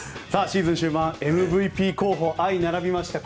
シーズン終盤、ＭＶＰ候補が相並びました。